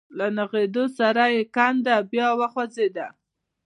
له نېغېدو سره يې کنده بيا وخوځېده.